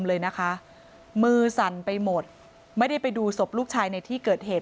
เลยนะคะมือสั่นไปหมดไม่ได้ไปดูศพลูกชายในที่เกิดเหตุ